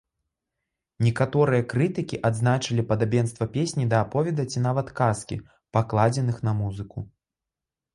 Некаторыя крытыкі адзначылі падабенства песні да аповеда ці нават казкі, пакладзеных на музыку.